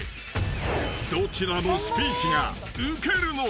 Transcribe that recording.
［どちらのスピーチがウケるのか？］